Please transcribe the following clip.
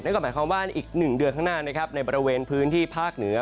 ก็หมายความว่าอีก๑เดือนข้างหน้านะครับในบริเวณพื้นที่ภาคเหนือ